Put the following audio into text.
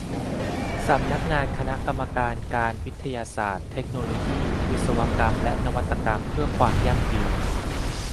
สำนักงานคณะกรรมการการ วิทยาศาสตร์ เทคโนโลยี วิศวกรรม และนวัตกรรม เพื่อความยั่งยืน